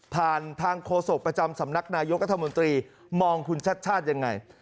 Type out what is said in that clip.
ผ่านทางโฆษกประจำสำนักนายกระธมนตรีมองคุณชัดยังไง